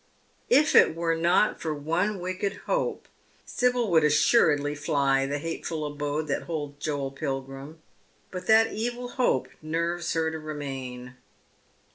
If it were not for one wicked hope, Sibyl woidd assuredly fly the hateful abode that holds Joel Pilgrim, but that evil hope nerves her to remain.